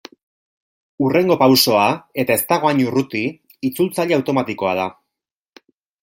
Hurrengo pausoa, eta ez dago hain urruti, itzultzaile automatikoa da.